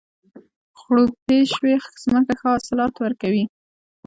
خړوبې شوې ځمکه ښه حاصلات ورکوي.